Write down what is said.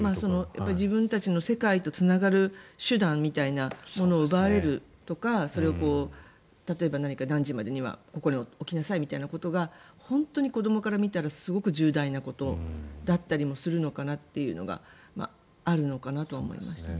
自分たちの世界とつながる手段みたいなものを奪われるとかそれを例えば何時までにはここに置きなさいみたいなことが本当に子どもから見たらすごく重大なことだったりもするのかなというのがあるのかなとは思いましたね。